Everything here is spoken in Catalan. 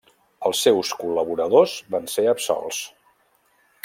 Els seus col·laboradors van ser absolts.